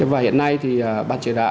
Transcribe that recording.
và hiện nay thì ban chế đạo